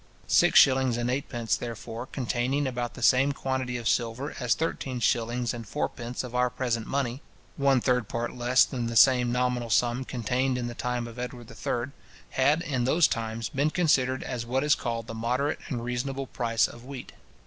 Six shillings and eightpence, therefore, containing about the same quantity of silver as thirteen shillings and fourpence of our present money (one third part less than the same nominal sum contained in the time of Edward III), had, in those times, been considered as what is called the moderate and reasonable price of wheat.